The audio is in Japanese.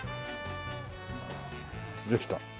できた。